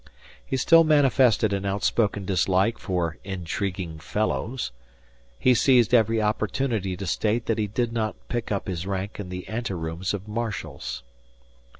He still manifested an outspoken dislike for "intriguing fellows." He seized every opportunity to state that he did not pick up his rank in the anterooms of marshals.